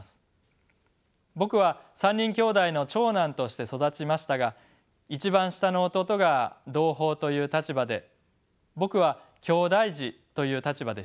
僕は３人兄弟の長男として育ちましたが一番下の弟が同胞という立場で僕はきょうだい児という立場でした。